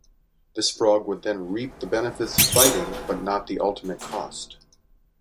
This frog would then reap the benefits of fighting, but not the ultimate cost.